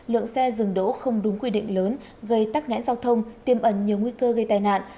lượng xe dừng đỗ không đúng quy định lớn gây tắc nghẽn giao thông tiêm ẩn nhiều nguy cơ gây tai nạn